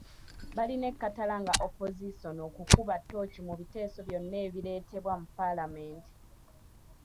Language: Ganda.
Balina ekkatala nga opozisoni okukuba ttooci mu biteeso byonna ebireetebwa mu Paalamenti .